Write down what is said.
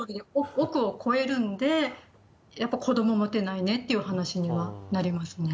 億を超えるんで、やっぱ子ども持てないねっていう話になりますね。